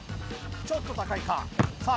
ちょっと高いかさあ